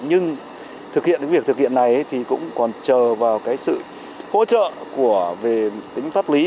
nhưng việc thực hiện này còn chờ vào sự hỗ trợ về tính pháp lý